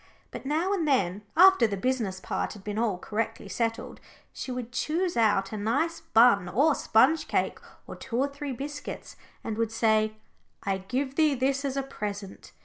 But now and then, after the business part had been all correctly settled, she would choose out a nice bun or sponge cake, or two or three biscuits, and would say "I give thee this as a present."